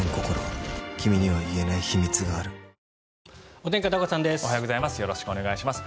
おはようございます。